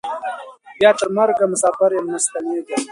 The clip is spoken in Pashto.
بیا تر مرګه مساپر یم نه ستنېږم